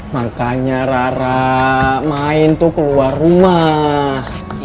makanya rara main tuh keluar rumah